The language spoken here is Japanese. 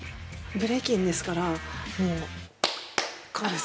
ブレイキンですからもうこうです